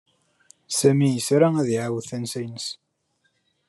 Sami isra ad iɛawed tansa-ines.